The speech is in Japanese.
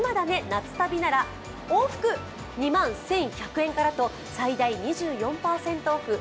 夏旅なら往復２万１１００円からと最大２４％オフ。